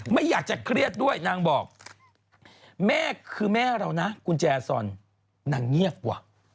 ไม่อยากจะเครียดด้วยนางบอกแม่คือแม่เรานะกุญแจซอนนางเงียบว่ะ